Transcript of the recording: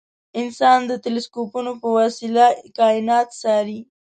انسان د تلسکوپونو په وسیله کاینات څاري.